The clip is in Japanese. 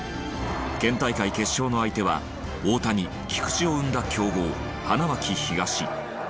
県大会決勝の相手は大谷菊池を生んだ強豪花巻東。